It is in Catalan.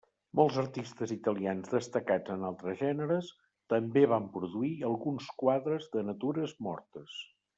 Molts artistes italians destacats en altres gèneres també van produir alguns quadres de natures mortes.